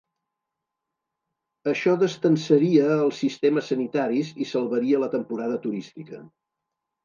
Això destensaria els sistemes sanitaris i salvaria la temporada turística.